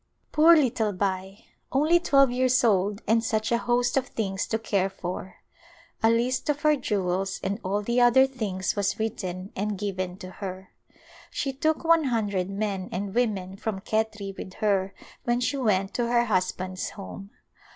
Poor little Bai ! Only twelve years old and such a host of things to care for ! A list of her jewels and all A Royal Wedding the other things was written and given to her. She took one hundred men and women from Khetri with her when she went to her husband's home.